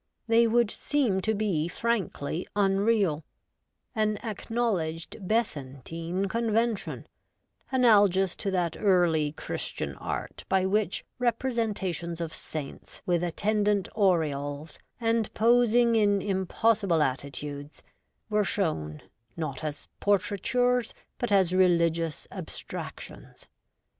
They would seem to be frankly unreal : an acknowledged Besantine convention — analogous to that early Christian art by which repre sentations of saints, with attendant aureoles, and posing in impossible attitudes, were shown, not as portraitures, but as religious abstractions.